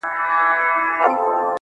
دا سودا سوه پر احسان چي احسان وینم-